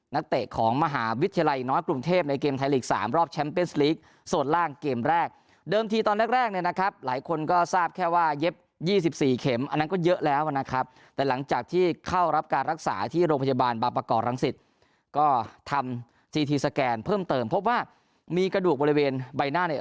นักเตะของมหาวิทยาลัยน้อยกรุงเทพในเกมไทยลีกสามรอบแชมป์เป็นสลีกส่วนล่างเกมแรกเดิมทีตอนแรกแรกเนี่ยนะครับหลายคนก็ทราบแค่ว่าเย็บ๒๔เข็มอันนั้นก็เยอะแล้วนะครับแต่หลังจากที่เข้ารับการรักษาที่โรงพยาบาลบางประกอบรังสิตก็ทำทีทีสแกนเพิ่มเติมพบว่ามีกระดูกบริเวณใบหน้าใน